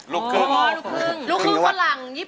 ลูคขึ่งฝรั่งญี่ปุ่นเกาหลี